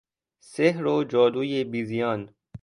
سحر و جادوی بیزیان